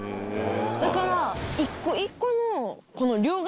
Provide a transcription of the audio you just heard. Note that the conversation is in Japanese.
だから。